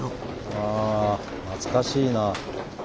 ああ懐かしいな。